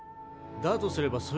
とすれば